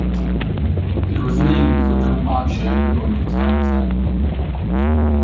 It was named for John Archer, who owned the town site.